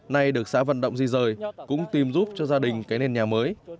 nay được xã vận động di rời cũng tìm giúp cho gia đình cái nền nhà mới